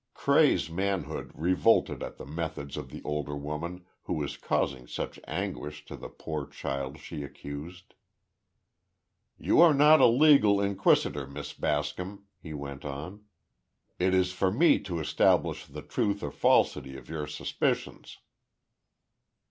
Cray's manhood revolted at the methods of the older woman who was causing such anguish to the poor child she accused. "You are not a legal inquisitor, Miss Bascom," he went on; "it is for me to establish the truth or falsity of your suspicions."